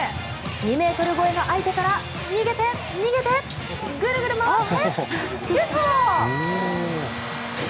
２ｍ超えの相手から逃げて、逃げてぐるぐる回ってシュート。